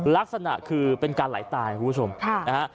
ลักษณะคือเป็นการไหลตายนะครับคุณผู้ชม